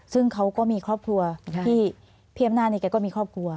ซึ่งเขาก็มีครอบครัวที่พี่อำนาจเนี่ยแกก็มีครอบครัว